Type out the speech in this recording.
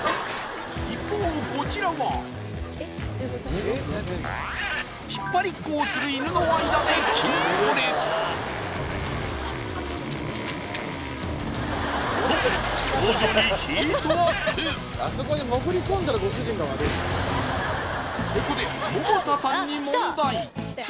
一方こちらは引っ張りっこをする犬の間で筋トレと徐々にヒートアップここで百田さんに問題あっきた！